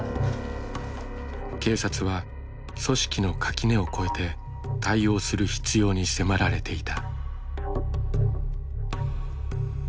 警察は組織の垣根を越えて対応する必要に迫られていた。